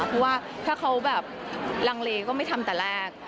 เพราะว่าถ้าเขาแบบลังเลก็ไม่ทำแต่แรก